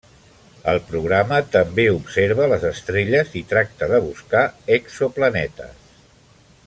El programa també observa les estrelles i tractar de buscar exoplanetes.